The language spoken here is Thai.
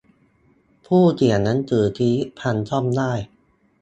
ผู้เขียนหนังสือ ชีวิตพังซ่อมได้